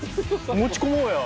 持ち込もうや。